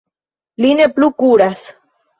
Li ne plu kuras.